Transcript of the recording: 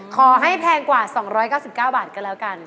แพงกว่า๒๙๙บาทก็แล้วกัน